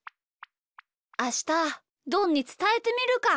あしたどんにつたえてみるか。